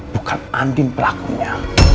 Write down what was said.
bukan andin pelakunya